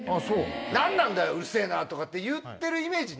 「何なんだよ！うるせぇなぁ」とかって言ってる。